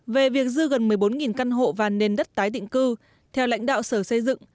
về việc dư gần một mươi bốn căn hộ và nền đất tái định cư theo lãnh đạo sở xây dựng